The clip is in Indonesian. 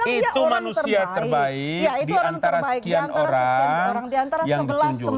itu manusia terbaik di antara sekian orang yang dikunjungi